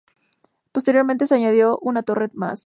Posteriormente se añadió una torre más.